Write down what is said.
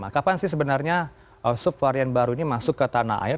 kapan sih sebenarnya subvarian baru ini masuk ke tanah air